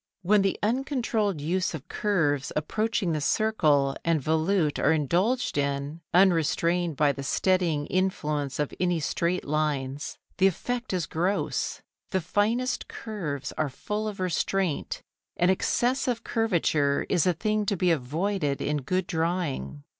When the uncontrolled use of curves approaching the circle and volute are indulged in, unrestrained by the steadying influence of any straight lines, the effect is gross. The finest curves are full of restraint, and excessive curvature is a thing to be avoided in good drawing.